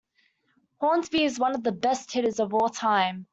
Hornsby is one of the best hitters of all time.